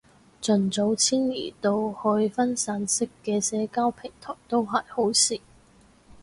盡早遷移到去分散式嘅社交平台都係好事